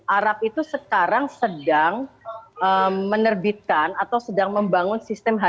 arab itu sekarang sedang menerbitkan atau sedang membangun sistem